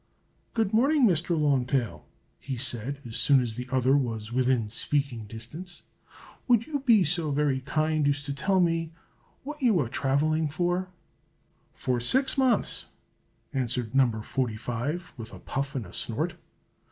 "Good morning, Mr. Long Tail!" he said as soon as the other was within speaking distance. "Would you be so very good as to tell me what you are travelling for?" "For six months," answered No. 45 with a puff and a snort.